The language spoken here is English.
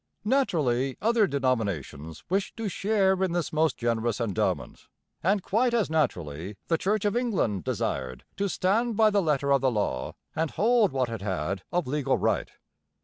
Naturally other denominations wished to share in this most generous endowment; and quite as naturally the Church of England desired to stand by the letter of the law and hold what it had of legal right.